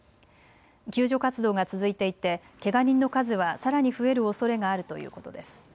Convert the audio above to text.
救助活動が続いていてけが人の数はさらに増えるおそれがあるということです。